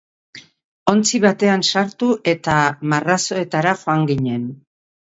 Ontzi batean sartu eta marrazoetara joan ginen.